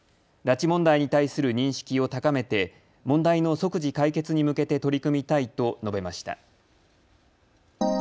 拉致問題に対する認識を高めて問題の即時解決に向けて取り組みたいと述べました。